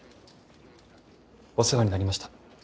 お世話になりました。